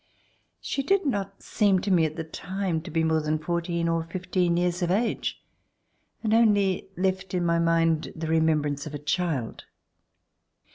She did not seem to me at the time to be more than fourteen or fifteen years of age and only left in my mind the remembrance of a child.